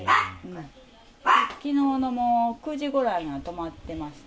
きのうのもう９時ぐらいには止まってました。